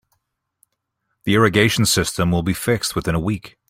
The irrigation system will be fixed within a week.